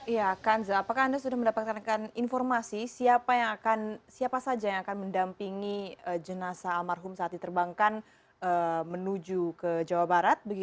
ya kanza apakah anda sudah mendapatkan informasi siapa saja yang akan mendampingi jenazah almarhum saat diterbangkan menuju ke jawa barat